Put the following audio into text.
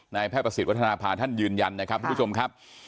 นายแพทย์ประสิทธิ์วัฒนภาคท่านยืนยันนะครับนะคะค่ะลูกผู้ชมครับ